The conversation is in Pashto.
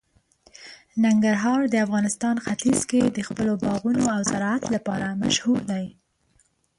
ننګرهار د افغانستان ختیځ کې د خپلو باغونو او زراعت لپاره مشهور دی.